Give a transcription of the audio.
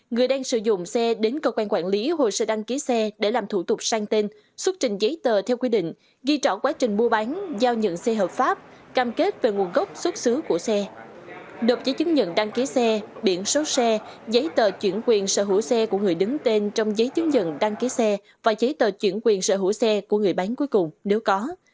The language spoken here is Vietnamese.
người đang sử dụng xe đến cơ quan quản lý hồ sơ đăng ký xe để làm thủ tục sang tên xuất trình giấy tờ theo quy định ghi trỏ quá trình mua bán giao nhận xe hợp pháp cam kết về nguồn gốc xuất xứ của xe đột giấy chứng nhận đăng ký xe biển số xe giấy tờ chuyển quyền sở hữu xe của người đứng tên trong giấy chứng nhận đăng ký xe và giấy tờ chuyển quyền sở hữu xe của người bán cuối cùng nếu có